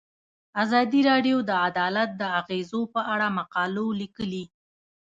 ازادي راډیو د عدالت د اغیزو په اړه مقالو لیکلي.